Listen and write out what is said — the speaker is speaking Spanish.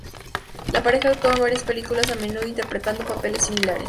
La pareja actuó en varias películas, a menudo interpretando papeles similares.